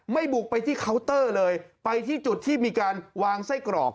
บุกไปที่เคาน์เตอร์เลยไปที่จุดที่มีการวางไส้กรอก